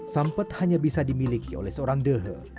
sampet hanya bisa dimiliki oleh seorang dehe